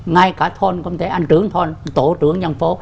ngay cả thôn cũng thế anh trưởng thôn tổ trưởng nhân phố